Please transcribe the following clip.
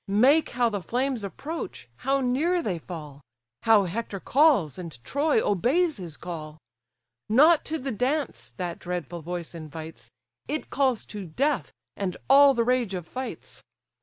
Mark how the flames approach, how near they fall, How Hector calls, and Troy obeys his call! Not to the dance that dreadful voice invites, It calls to death, and all the rage of fights.